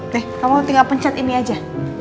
deh kamu tinggal pencet ini aja